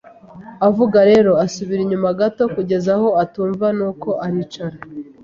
Avuga rero, asubira inyuma gato, kugeza aho atumva, nuko aricara